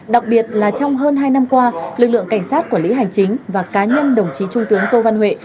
đặc biệt là trong hơn hai năm qua lực lượng cảnh sát quản lý hành chính và cá nhân đồng chí trung tướng tô văn huệ